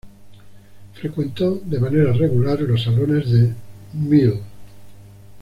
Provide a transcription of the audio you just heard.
Frecuentó, de manera regular, los salones de Mlle.